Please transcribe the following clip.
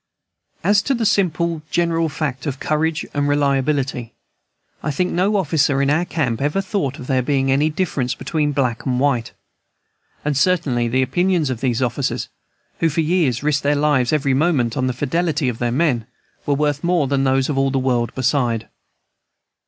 As to the simple general fact of courage and reliability I think no officer in our camp ever thought of there being any difference between black and white. And certainly the opinions of these officers, who for years risked their lives every moment on the fidelity of their men, were worth more than those of all the world beside.